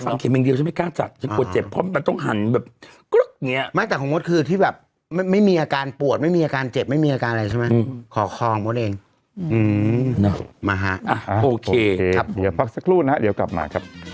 ฟังเค็มอย่างเดียวฉันไม่กล้าจัดฉันเกลียดเจ็บเพราะ